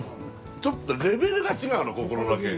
ちょっとレベルが違うのここのだけ。